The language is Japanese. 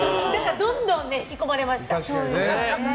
どんどん引き込まれました。